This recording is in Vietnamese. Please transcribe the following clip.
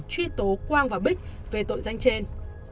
truy tố quang và bích về tội danh trên